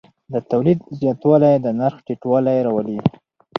د تولید زیاتوالی د نرخ ټیټوالی راولي.